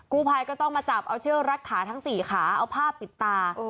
กู้ไพก็ต้องมาจับเอาเชื่อรัดขาทั้งสี่ขาเอาภาพปิดตา